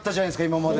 今まで。